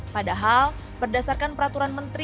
padahal berdasarkan peraturan menteri